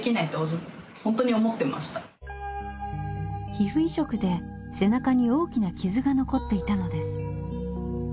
皮膚移植で背中に大きな傷が残っていたのです。